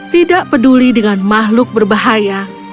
tidak peduli dengan makhluk berbahaya